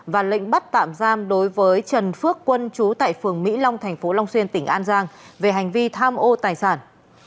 và lệnh bắt tạm giam đối với trần phước quân chú tại phường mỹ long thành phố long xuyên tỉnh an giang về hành vi tham ô tài sản